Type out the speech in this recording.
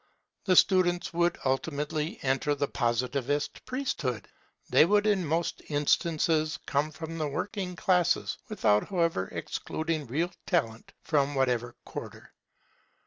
The students would ultimately enter the Positivist priesthood; they would in most instances come from the working class, without, however, excluding real talent from whatever quarter.